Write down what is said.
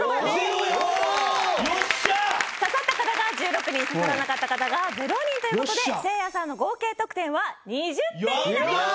刺さった方が１６人刺さらなかった方が０人という事でせいやさんの合計得点は２０点になります！